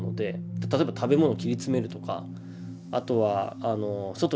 例えば食べ物切り詰めるとかあとは外に出ないとか。